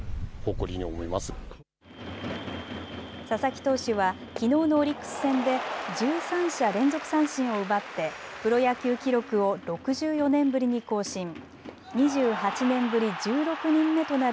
佐々木投手はきのうのオリックス戦で１３者連続三振を奪ってプロ野球記録を６４年ぶりに更新。